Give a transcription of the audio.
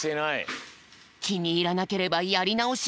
きにいらなければやりなおし。